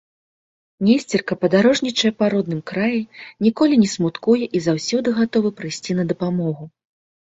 Несцерка падарожнічае па родным краі, ніколі не смуткуе і заўсёды гатовы прыйсці на дапамогу.